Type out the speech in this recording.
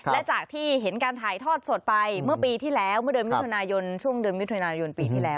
และจากที่เห็นการถ่ายทอดสดไปเมื่อปีที่แล้วเมื่อเดือนวิทุนายน